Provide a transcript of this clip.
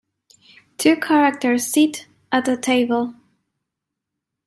Two characters sit at a table.